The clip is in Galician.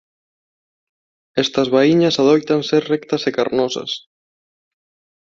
Estas vaíñas adoitan ser rectas e carnosas.